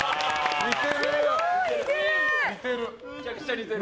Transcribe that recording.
似てる。